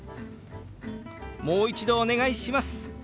「もう一度お願いします」。